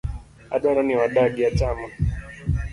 Adwaro ni wadagi achana.